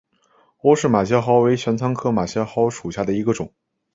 欧氏马先蒿为玄参科马先蒿属下的一个种。